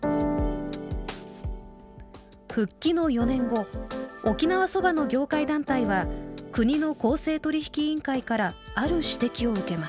復帰の４年後沖縄そばの業界団体は国の公正取引委員会からある指摘を受けます。